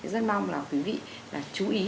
rất mong là quý vị là chú ý